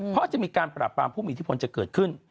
เพราะจะมีการปราบปรามผู้มีอิทธิพลจะเกิดขึ้น